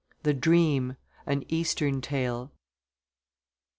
THE DREAM; AN EASTERN TALE.